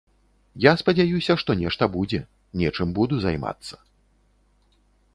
Я спадзяюся, што нешта будзе, нечым буду займацца.